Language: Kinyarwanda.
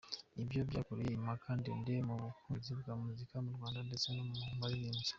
Ibyo byakuruye impaka ndende mu bakunzi ba muzika mu Rwanda ndetse no mu baririmbyi.